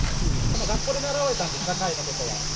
学校で習われたんですか、貝のことは。